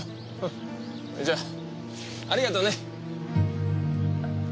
じゃあありがとね。